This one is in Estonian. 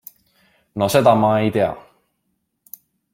No seda ma ei tea!